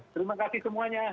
terima kasih semuanya